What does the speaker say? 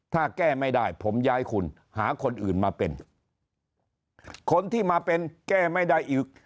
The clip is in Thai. ถ้าแก้ไม่ได้ผมย้ายคุณหาคนอื่นมาเป็นคนที่มาเป็นแก้ไม่ได้อีก